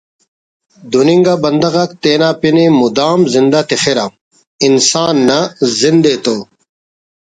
دن انگا بندغ آک تینا پن ءِ مدام زندہ تخرہ انسان نا زند ءِ تو